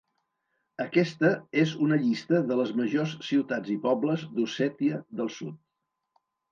Aquesta és una llista de les majors ciutats i pobles d'Ossètia del Sud.